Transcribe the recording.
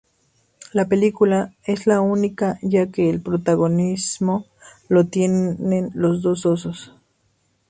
La película es única ya que el protagonismo lo tienen los dos osos.